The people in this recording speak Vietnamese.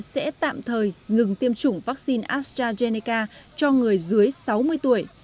sẽ tạm thời dừng tiêm chủng vaccine astrazeneca cho người dưới sáu mươi tuổi